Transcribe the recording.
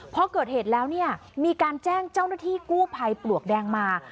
เพราะเกิดเหตุแล้วมีการแจ้งเจ้าหน้าที่กู้ไพปลวกแดงมา